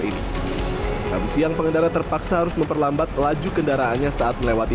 ini rabu siang pengendara terpaksa harus memperlambat laju kendaraannya saat melewati